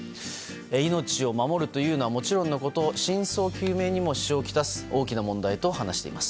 命を守るというのはもちろんのこと真相究明にも支障を来す大きな問題と話しています。